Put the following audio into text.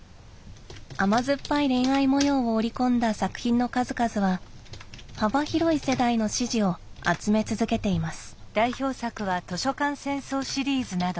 甘酸っぱい恋愛模様を織り込んだ作品の数々は幅広い世代の支持を集め続けています。